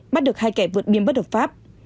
bắt được hai kẻ vượt biên bất hợp pháp